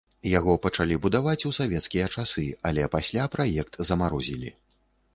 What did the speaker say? Яго пачалі будаваць у савецкія часы, але пасля праект замарозілі.